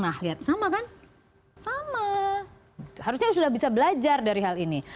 nah lihat sama kan sama harusnya sudah bisa belajar dari hal ini